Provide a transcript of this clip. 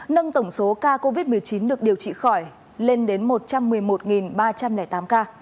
nâng tổng số ca covid một mươi chín được điều trị khỏi lên đến một trăm một mươi một ba trăm linh tám ca